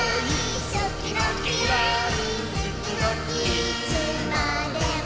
「いつまでも」